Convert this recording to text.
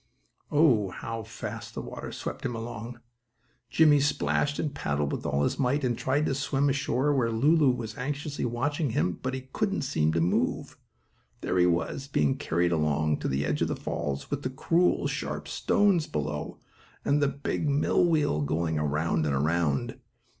Oh, how fast the water swept him along! Jimmie splashed and paddled with all his might, and tried to swim ashore, where Lulu was anxiously watching him, but he couldn't seem to move. There he was, being carried along to the edge of the falls, with the cruel, sharp stones below, and the big millwheel going around and around.